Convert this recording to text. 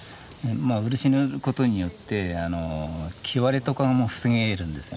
漆塗ることによって木割れとかも防げるんですよね。